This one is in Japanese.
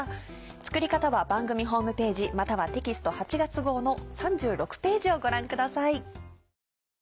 作り方は番組ホームページまたはテキスト８月号の３６ページをご覧ください。